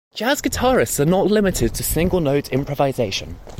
Jazz guitarists are not limited to single note improvisation.